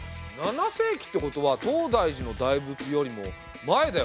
７世紀ってことは東大寺の大仏よりも前だよね。